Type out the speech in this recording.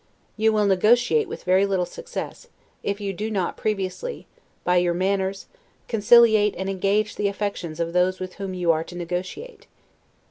You will negotiate with very little success, if you do not previously, by your manners, conciliate and engage the affections of those with whom you are to negotiate.